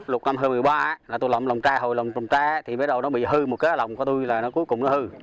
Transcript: lúc năm hai nghìn một mươi ba tôi lồng lồng tra hồi lồng lồng tra thì bắt đầu nó bị hư một cái lồng của tôi là nó cuối cùng nó hư